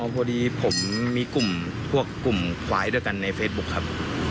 พอดีผมมีกลุ่มพวกกลุ่มควายด้วยกันในเฟซบุ๊คครับ